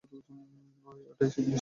ওটাই ইবলীসের সিংহাসন।